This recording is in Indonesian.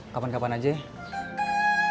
kapan kapan aja ya